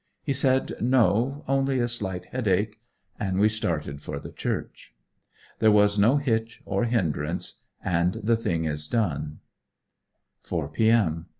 He said, 'No: only a slight headache;' and we started for the church. There was no hitch or hindrance; and the thing is done. 4 p.m.